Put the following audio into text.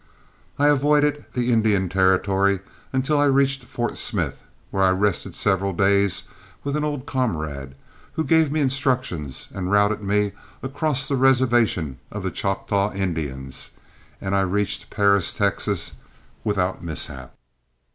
I avoided the Indian Territory until I reached Fort Smith, where I rested several days with an old comrade, who gave me instructions and routed me across the reservation of the Choctaw Indians, and I reached Paris, Texas, without mishap.